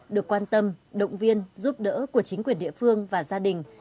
được quan tâm động viên giúp đỡ của chính quyền địa phương và gia đình